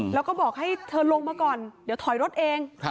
แล้วก็บอกให้เธอลงมาก่อนเดี๋ยวถอยรถเอง